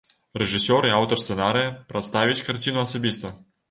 Рэжысёр і аўтар сцэнарыя прадставіць карціну асабіста.